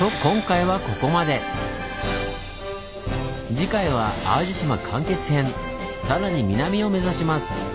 次回はさらに南を目指します！